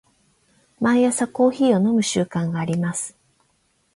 毎朝コーヒーを飲む習慣があります。